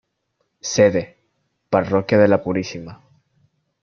Sede: Parroquia de la Purísima.